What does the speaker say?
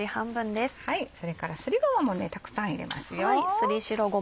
それからすりごまもたくさん入れますよ。